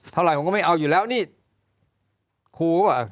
เท่าไรผมไม่เอาอยู่แล้วนี่คูเราก็อ่ะ